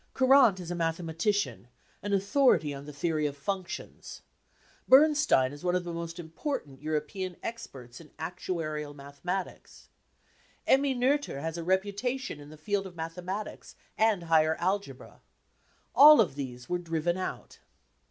Courandt is a mathematician, an authority on the theory of functions. Bernstein is one of the most important Euro pean experts in actuarial mathematics. Emmy Noether has a reputation in the field of mathematics and higher algebra. All of these were driven out.